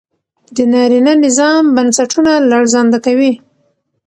د نارينه نظام بنسټونه لړزانده کوي